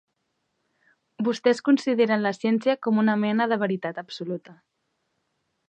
Vostès consideren la ciència com una mena de veritat absoluta.